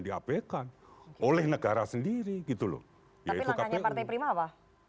tapi langkahnya partai prima apa